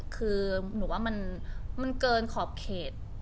คือหนูว่ามันเกินขอบเขต